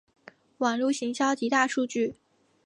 网路行销及大数据